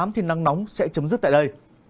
thì nắng nóng sẽ chấm dứt tại đây